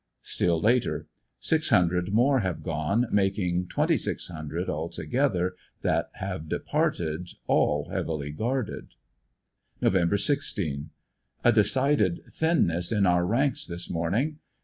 Still Later — Six hundred more have gone, making 2,600 all together that have departed, all heavily guarded. Nov 16. — A decided thinness in our ranks this morning.